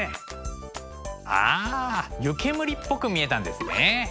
ああ湯煙っぽく見えたんですね。